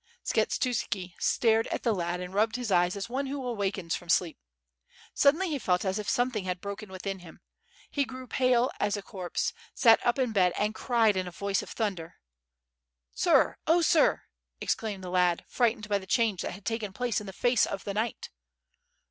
" Skshetuski stared at the lad and rubbed his eyes as one who awakens from sleep; suddenly he felt as if something had broken within him, he grew pale as a corpse, sat up in bed and cried in a voice of thunder: "Sir, oh sir," exclaimed the lad, frightened by the change that had taken place in the face of the knight.